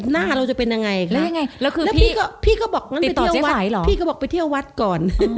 หน้าเราจะเป็นยังไงแล้วคือพี่ก็บอกงั้นไปเที่ยววัดพี่ก็บอกไปเที่ยววัดก่อน